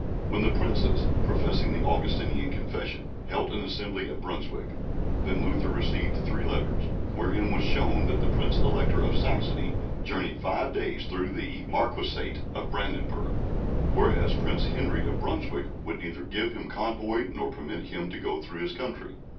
When the Princes (professing the Augustinian Confession) held an assembly at Brunswick, then Luther received three letters, wherein was shown that the Prince Elector of Saxony journeyed five days through the Marquisate of Brandenburg, whereas Prince Henry of Brunswick would neither give him convoy nor permit him to go through his country.